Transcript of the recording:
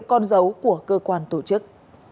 đối với con dấu của cơ quan tổ chức